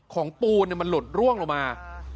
ของปูนี่มันหลุดร่วงลงมา